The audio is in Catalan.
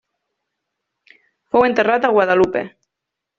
Fou enterrat a Guadalupe.